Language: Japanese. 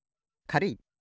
かるい。